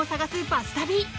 バス旅。